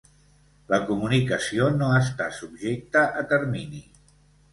La comunicació no està subjecta a termini.